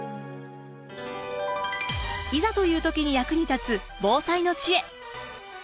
いざという時に役に立つ防災の知恵。